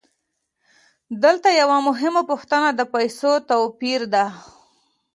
دلته یوه مهمه پوښتنه د پیسو د توپیر ده